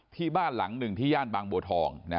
ที่บ้านหลังหนึ่งที่ย่านบางบัวทอง